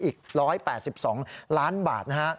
อีก๑๘๒ล้านบาทนะฮะ